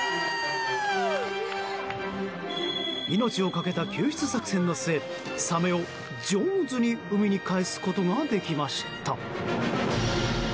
命をかけた救出作戦の末サメを「じょーず」に海に帰すことができました。